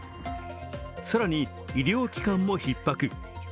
更に、医療機関もひっ迫。